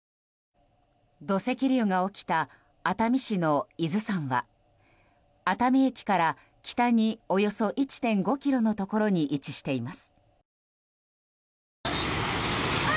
土石流が起きた熱海市の伊豆山は熱海駅から北におよそ１．５ｋｍのところに位置しています。